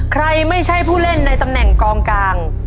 ใครไม่ใช่ผู้เล่นในตำแหน่งกองกลาง